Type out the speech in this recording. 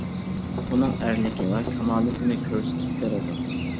ئۇنىڭ ئەرلىكى ۋە كامالىتىنى كۆرسىتىپ بېرىدۇ.